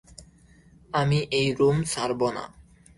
আমি এই রুম ছাড়ব না।